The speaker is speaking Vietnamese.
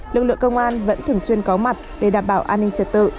lực lượng công an vẫn thường xuyên có mặt để đảm bảo an ninh trật tự